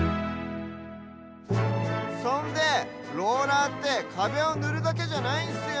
そんでローラーってかべをぬるだけじゃないんすよ！